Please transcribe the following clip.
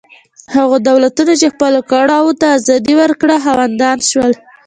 هغو دولتونو چې خپلو وګړو ته ازادي ورکړه خاوندان شول.